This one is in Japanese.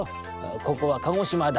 ここは鹿児島だ。